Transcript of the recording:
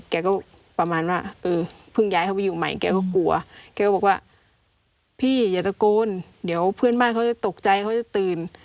แกก็ประมาณว่าเออเพิ่งย้ายเขาไปอยู่ใหม่แกก็กลัวแกก็บอกว่าพี่อย่าตะโกนเดี๋ยวเพื่อนบ้านเขาจะตกใจเขาจะตื่น